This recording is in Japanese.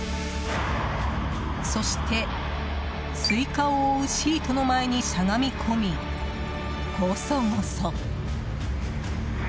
そして、スイカを覆うシートの前にしゃがみ込みゴソゴソ。